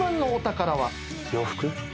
洋服。